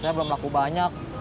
saya belum laku banyak